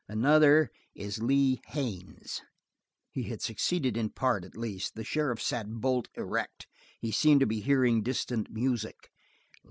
Another is Lee Haines!" He had succeeded in part, at least. The sheriff sat bolt erect; he seemed to be hearing distant music.